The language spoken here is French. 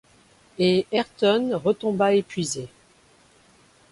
Et Ayrton retomba épuisé